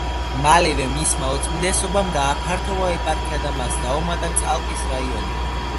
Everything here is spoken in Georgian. მალევე მისმა უწმიდესობამ გააფართოვა ეპარქია და მას დაუმატა წალკის რაიონი.